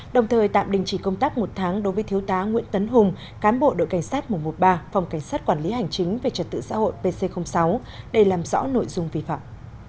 đồng thời tạm đình chỉ công tác một tháng đối với thiếu tá nguyễn tấn hùng cán bộ đội cảnh sát một trăm một mươi ba phòng cảnh sát quản lý hành chính về trật tự xã hội pc sáu để làm rõ nội dung vi phạm